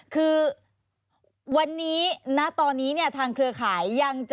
คือวันนี้ณตอนนี้ทางเครือข่าย